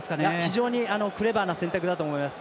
非常にクレバーな選択だと思います。